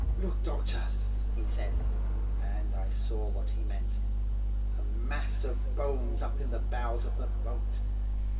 'Look, doctor,' he said, and I saw what he meant–a mass of bones up in the bows of the boat.